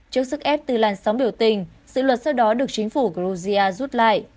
trước sức ép từ làn sóng biểu tình sự luật sau đó được chính phủ georgia rút lại